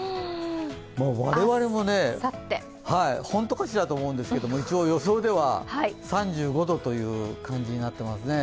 我々もホントかしらと思うんですが、一応、予想では３５度という感じになっていますね。